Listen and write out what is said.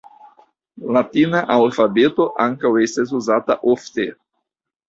Latina alfabeto ankaŭ estas uzata ofte.